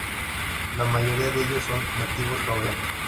La mayoría de ellos son nativos hawaianos.